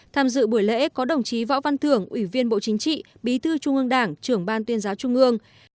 tham dự buổi lễ có đồng chí võ văn thưởng ủy viên bộ chính trị bí thư trung ương đảng trưởng ban tuyên giáo trung ương